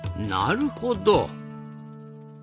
なるほど。